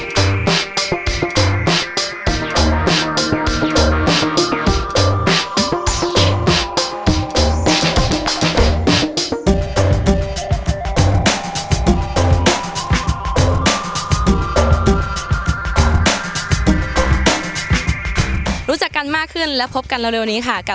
สวัสดีค่ะเส้นด้ายพิมพ์และดาววัยส่งนะคะ